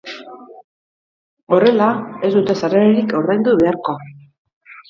Horrela, ez dute sarrerarik ordaindu beharko.